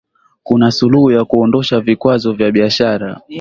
Kuna Suluhu ya kuondosha vikwazo vya biashara